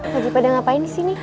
wajib pada ngapain disini